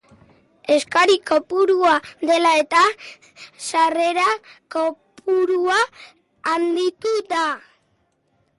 Eskari kopurua dela-eta, sarrera kopurua handitu da.